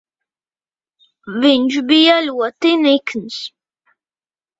Viņš bija ļoti nikns.